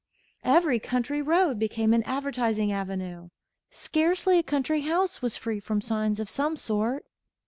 Every country road became an advertising avenue. Scarcely a country house was free from signs of some sort.